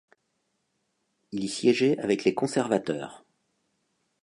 Il y siégeait avec les Conservateurs.